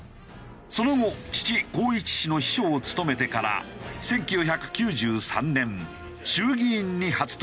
その後父幸一氏の秘書を務めてから１９９３年衆議院に初当選している。